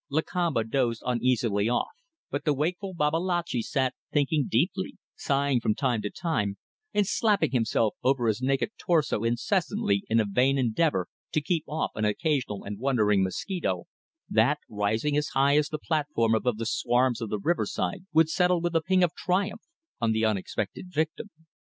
Lakamba dozed uneasily off, but the wakeful Babalatchi sat thinking deeply, sighing from time to time, and slapping himself over his naked torso incessantly in a vain endeavour to keep off an occasional and wandering mosquito that, rising as high as the platform above the swarms of the riverside, would settle with a ping of triumph on the unexpected victim.